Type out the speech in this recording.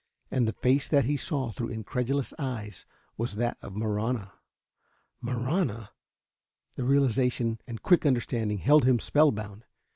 And the face that he saw through incredulous eyes was that of Marahna. Marahna! The realization and quick understanding held him spellbound.